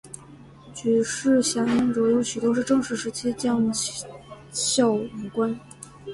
举事响应者有许多是郑氏时期将校武官。